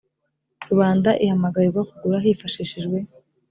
rubanda ihamagarirwa kugura hifashishijwe